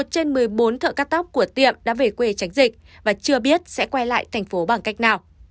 một mươi trên một mươi bốn thợ cắt tóc của tiệm đã về quê tránh dịch và chưa biết sẽ quay lại thành phố bằng cách nào